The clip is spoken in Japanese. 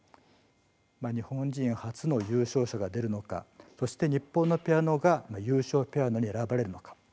日本人初の優勝者が出るのかそして日本のピアノが優勝ピアノに選ばれるのか。